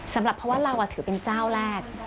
สำหรับเพราะว่าเราถือเป็นเจ้าแรก